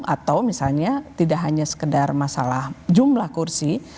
atau misalnya tidak hanya sekedar masalah jumlah kursi